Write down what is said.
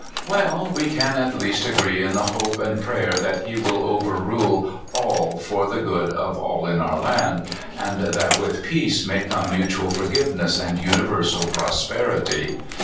"Well, we can at least agree in the hope and prayer that He will overrule all for the good of all in our land, and that with peace may come mutual forgiveness and universal prosperity."